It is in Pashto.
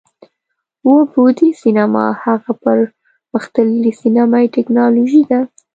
اووه بعدی سینما هغه پر مختللې سینمایي ټیکنالوژي ده،